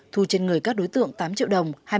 thù trên người các đối tượng tám triệu đồng